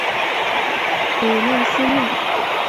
韦洛斯内。